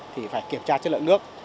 thì phải kiểm tra chất lượng nước